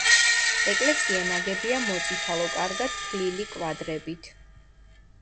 ეკლესია ნაგებია მოწითალო, კარგად თლილი კვადრებით.